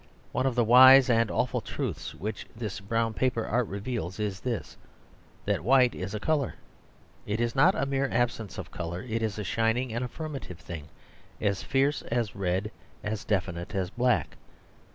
One of the wise and awful truths which this brown paper art reveals, is this, that white is a colour. It is not a mere absence of colour; it is a shining and affirmative thing, as fierce as red, as definite as black.